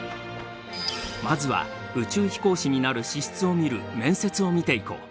まずは宇宙飛行士になる資質を見る面接を見ていこう。